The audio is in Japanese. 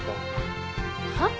はっ？